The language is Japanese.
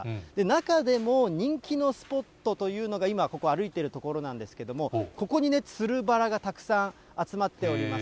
中でも、人気のスポットというのが今、ここ、歩いている所なんですけれども、ここにつるバラがたくさん集まっております。